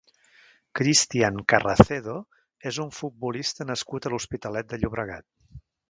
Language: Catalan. Cristian Carracedo és un futbolista nascut a l'Hospitalet de Llobregat.